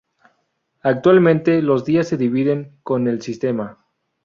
Actualmente, los días se dividen con el sistema.